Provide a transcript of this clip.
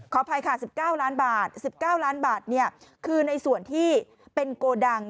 อภัยค่ะ๑๙ล้านบาท๑๙ล้านบาทคือในส่วนที่เป็นโกดัง